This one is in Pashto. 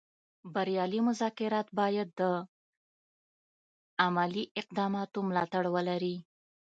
بریالي مذاکرات باید د عملي اقداماتو ملاتړ ولري